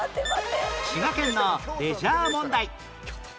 滋賀県のレジャー問題